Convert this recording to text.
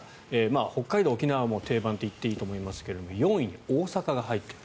北海道、沖縄は定番と言ってもいいと思いますが４位に大阪が入っている。